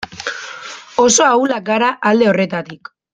Oso ahulak gara alde horretatik.